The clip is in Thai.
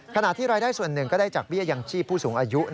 ขณะที่รายได้ส่วนหนึ่งก็ได้จากเบี้ยยังชีพผู้สูงอายุ